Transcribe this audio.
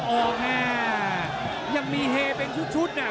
ต้องถามสัจใจน้อย